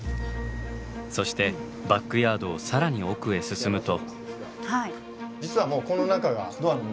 そしてバックヤードを更に奥へ進むと。